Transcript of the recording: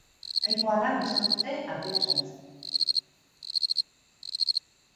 Nahikoa lan izan dute atea zaintzen.